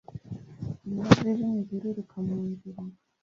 imbwa zijimye ziriruka munzira